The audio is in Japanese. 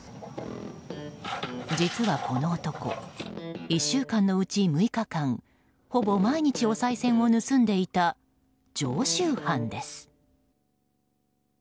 実はこの男、１週間のうち６日間ほぼ毎日、おさい銭を盗んでいた常習犯です。